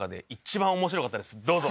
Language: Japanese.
どうぞ。